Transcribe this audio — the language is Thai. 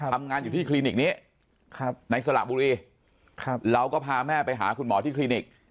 ทำงานอยู่ที่คลินิกนี้ในสระบุรีเราก็พาแม่ไปหาคุณหมอที่คลินิก